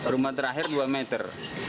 rumah terakhir dua meter